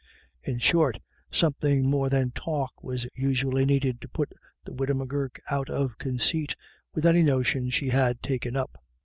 In short, something more than talk was usually needed to put the widow M'Gurk out of conceit with any notion she had taken up.